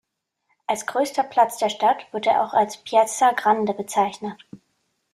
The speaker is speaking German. Als größter Platz der Stadt wird er auch als "Piazza Grande" bezeichnet.